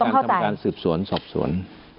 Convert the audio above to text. เป็นวิธีทางทำการสืบสวนสอบสวน